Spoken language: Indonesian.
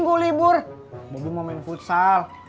kalau gitu makasih ya